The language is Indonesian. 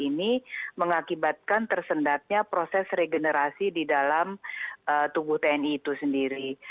ini mengakibatkan tersendatnya proses regenerasi di dalam tubuh tni itu sendiri